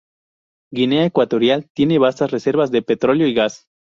Guinea Ecuatorial tiene vastas reservas de petróleo y gas.